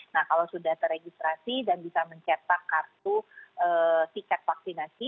nah kalau sudah teregistrasi dan bisa mencetak kartu tiket vaksinasi